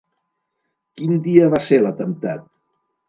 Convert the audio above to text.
Quin dia va ser l'atemptat?